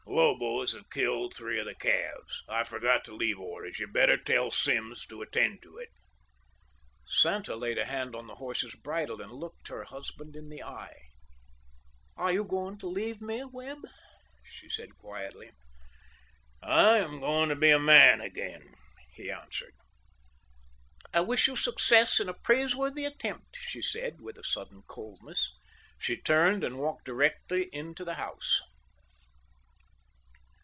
Lobos have killed three of the calves. I forgot to leave orders. You'd better tell Simms to attend to it." Santa laid a hand on the horse's bridle, and looked her husband in the eye. "Are you going to leave me, Webb?" she asked quietly. "I am going to be a man again," he answered. "I wish you success in a praiseworthy attempt," she said, with a sudden coldness. She turned and walked directly into the house.